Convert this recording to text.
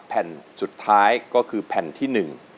แผ่นสุดท้ายก็คือแผ่นที่๑